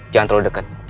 jangan terlalu deket